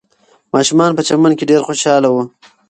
ماشومان په چمن کې ډېر خوشحاله وو.